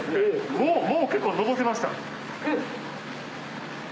もう結構のぼせました。